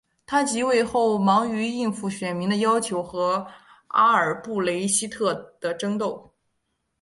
他即位后忙于应付选民的要求和阿尔布雷希特的争斗。